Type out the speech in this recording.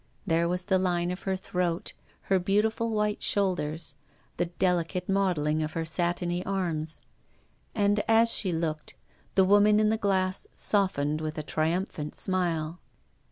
There was the line of her throat, her beautiful white shoulders, the delicate modelling of her satiny arms. And, as she looked, the woman in the glass softened with a triumphant smile.